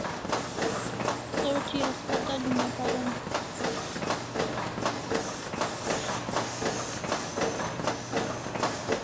Saw thi haspatal una paron